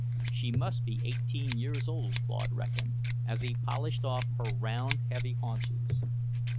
She must be eighteen years old, Claude reckoned, as he polished off her round, heavy haunches.